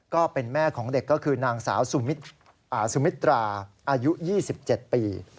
ก็เป็นแม่ของเด็กก็คือนางสาวสุมิตราอายุ๒๗ปี